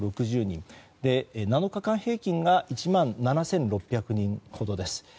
７日間平均が１万７６００人ほどです。